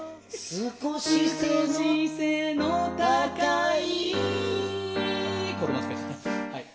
「少し背の高い」。